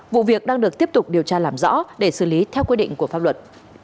vụ việc đang được tiếp tục điều tra làm rõ để xử lý theo quy định của pháp luật